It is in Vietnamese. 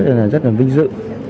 mình cảm thấy rất là vinh dự